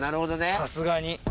さすがに。